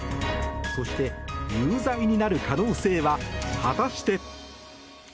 そして、有罪になる可能性は果たして。